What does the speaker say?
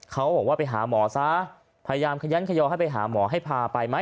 เขาบอกว่าไปหาหมอซะพยายามขยันขยอให้ไปหาหมอให้พาไปไหม